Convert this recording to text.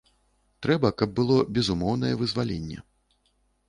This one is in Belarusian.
Трэба, каб было безумоўнае вызваленне.